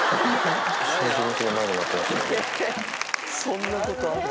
そんなことある？